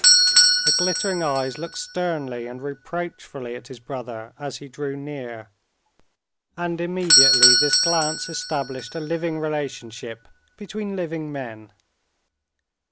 The glittering eyes looked sternly and reproachfully at his brother as he drew near. And immediately this glance established a living relationship between living men.